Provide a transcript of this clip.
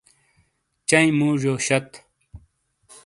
چنئی موژیو شت ۔۔